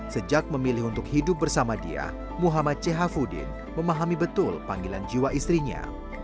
sejak memilih untuk hidup bersama diah muhammad c hafudin memahami betul panggilan jiwa istrinya